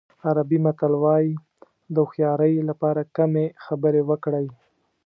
عربي متل وایي د هوښیارۍ لپاره کمې خبرې وکړئ.